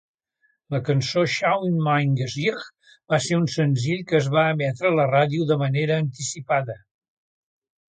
La cançó "Schau in mein Gesicht" va ser un senzill que es va emetre a la ràdio de manera anticipada.